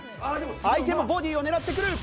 相手もボディーを狙ってくる。